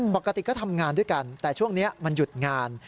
ปกติก็ทำงานด้วยกันแต่ช่วงนี้มันหยุดงาน